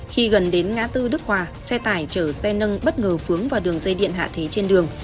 khi gần đến ngã tư đức hòa xe tải chở xe nâng bất ngờ vướng vào đường dây điện hạ thế trên đường